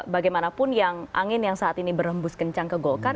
bagaimanapun yang angin yang saat ini berhembus kencang ke golkar